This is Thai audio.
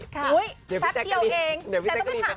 เดี๋ยวพี่แจ๊กกะลิไปถามมานะ